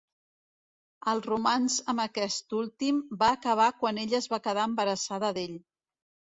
El romanç amb aquest últim va acabar quan ella es va quedar embarassada d'ell.